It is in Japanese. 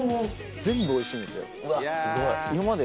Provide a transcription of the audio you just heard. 全部おいしいんですよ。